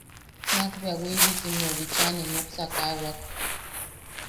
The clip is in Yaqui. Nakbea Wiibisimmeu bicha ne nuksakawak.